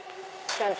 ちゃんと。